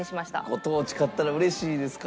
ご当地勝ったら嬉しいですか？